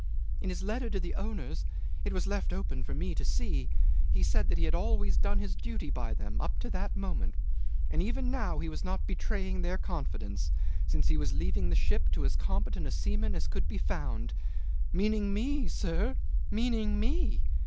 In his letter to the owners it was left open for me to see he said that he had always done his duty by them up to that moment and even now he was not betraying their confidence, since he was leaving the ship to as competent a seaman as could be found meaning me, sir, meaning me!